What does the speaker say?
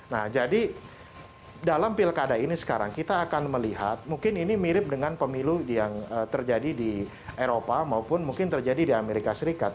nah jadi dalam pilkada ini sekarang kita akan melihat mungkin ini mirip dengan pemilu yang terjadi di eropa maupun mungkin terjadi di amerika serikat